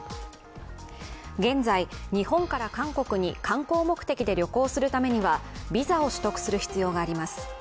現在、日本から韓国に観光目的で旅行するためには、ビザを取得する必要があります。